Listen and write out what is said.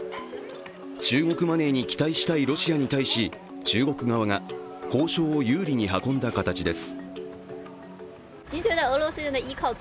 中国マネーに期待したいロシアに対し中国側が交渉を有利に運んだ形です。